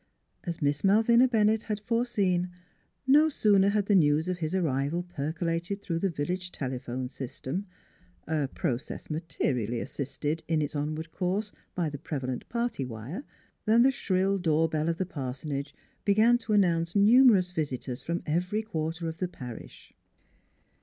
As Miss Malvina Bennett had foreseen, no sooner had the news of his arrival perco lated through the village telephone system a process materially assisted in its onward course by the prevalent party wire than the shrill door bell of the parsonage began to announce numerous visitors from every quarter of the parish.